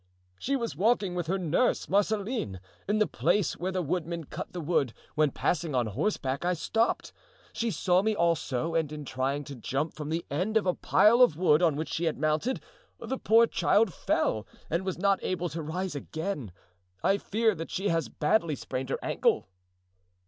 "She was walking with her nurse Marceline, in the place where the woodmen cut the wood, when, passing on horseback, I stopped. She saw me also and in trying to jump from the end of a pile of wood on which she had mounted, the poor child fell and was not able to rise again. I fear that she has badly sprained her ankle."